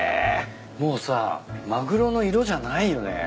もうさマグロの色じゃないよね。